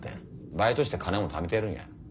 バイトして金もためてるんや。